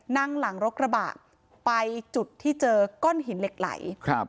นั่งหลังรถกระบะไปจุดที่เจอก้อนหินเหล็กไหลครับ